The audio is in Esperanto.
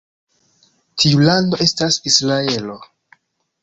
Tiu lando estas Israelo.